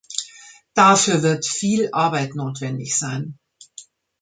Dafür wird viel Arbeit notwendig sein.